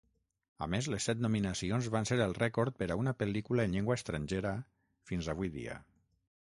A més, les set nominacions van ser el rècord per a una pel·lícula en llengua estrangera, fins avui dia.